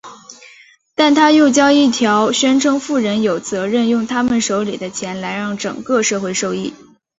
但他又加一条宣称富人有责任用他们手里的钱来让整个社会受益。